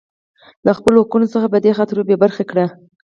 لـه خـپـلو حـقـونـو څـخـه پـه دې خاطـر بـې بـرخـې کـړي.